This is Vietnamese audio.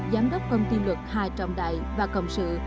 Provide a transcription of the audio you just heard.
giám đốc công ty luật hà trọng đại và cộng sự